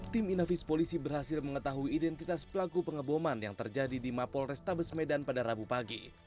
tim inafis polisi berhasil mengetahui identitas pelaku pengeboman yang terjadi di mapol restabes medan pada rabu pagi